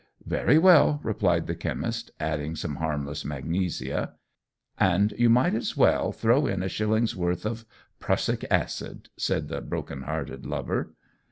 "Very well," replied the chemist, adding some harmless magnesia. "And you might as well throw in a shilling's worth of prussic acid," said the broken hearted lover.